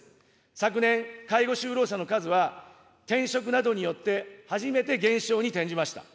昨年、介護就労者の数は、転職などによって初めて減少に転じました。